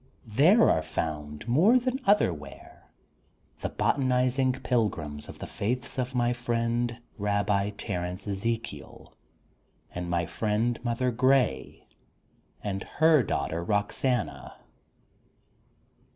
There are found, more than other where, the botanizing pilgrims of the faiths of my friend Rabbi Terence Ezekiel and my friend Mother Grey and her daughter Roxana.